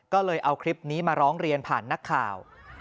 ก็เลยเอาคลิปนี้มาร้องเรียนผ่านนักข่าว